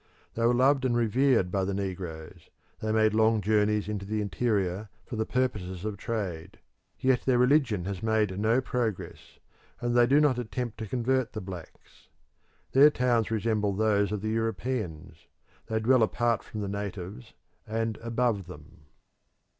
They were loved and revered by the negroes; they made long journeys into the interior for the purposes of trade. Yet their religion has made no progress, and they do not attempt to convert the blacks. Their towns resemble those of the Europeans; they dwell apart from the natives, and above them.